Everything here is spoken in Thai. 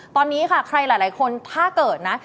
ตอนนี้ค่ะใครหลายคนถ้าเกิดนะ